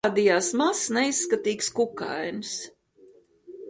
Parādījās mazs, neizskatīgs kukainis.